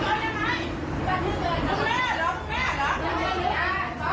ทั้งมีดกันกันไกรมาแล้วแบบนี้ค่ะ